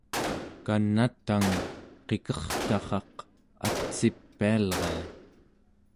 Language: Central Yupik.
kan'a tang qikertarraq atsipialria